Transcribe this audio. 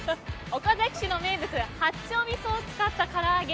岡崎市の名物八丁味噌を使ったから揚げ。